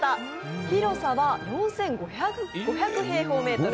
広さは４５００平方メートル。